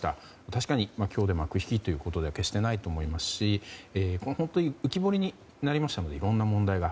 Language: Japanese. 確かに今日で幕引きということでは決してないと思いますし根本的に浮き彫りになりましたのでいろんな問題が。